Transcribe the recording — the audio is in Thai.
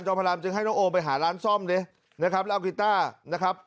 พระรามจึงให้น้องโอมไปหาร้านซ่อมดินะครับแล้วเอากีต้านะครับ